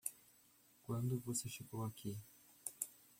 Quando você chegou aqui?